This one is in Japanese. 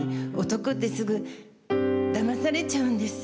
「男ってすぐだまされちゃうんです」